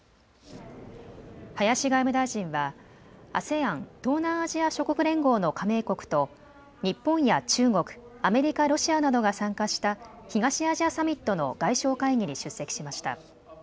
林外務大臣はＡＳＥＡＮ・東南アジア諸国連合の加盟国と日本や中国、アメリカ、ロシアなどが参加した東アジアサミットの外相会議に出席しました。